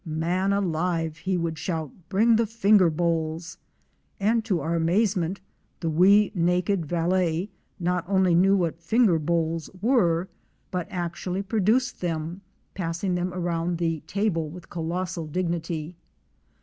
'Man alive!" he would shout, "bring the finger bowls!'' And to our amazement, the wee naked valet not only knew what finger bowls were, THROUGH THE COASTAL WILDERNESS. 229 but actually produced them, passing them around the table with colossal dignity.